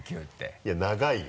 いや長いよ。